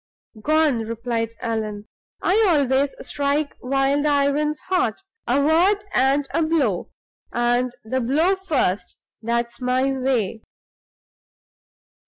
"Gone!" replied Allan. "I always strike while the iron's hot a word and a blow, and the blow first, that's my way.